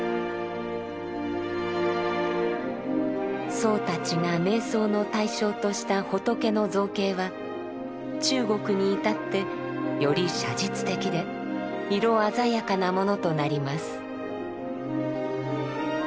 僧たちが瞑想の対象とした仏の造形は中国に至ってより写実的で色鮮やかなものとなります。